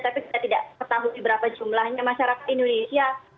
tidak tahu di berapa jumlahnya masyarakat indonesia